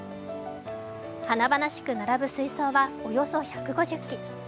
華々しく並ぶ水槽はおよそ１５０基。